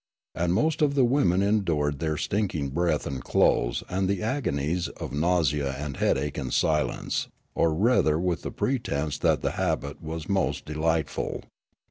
And most of the women endured their stinking breath and clothes and the agonies of nausea and headache in silence, or rather with the pretence that the habit was most de lightful.